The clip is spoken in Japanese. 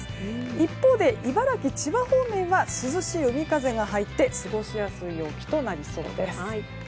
一方で茨城、千葉方面は涼しい海風が入って過ごしやすい陽気になりそうです。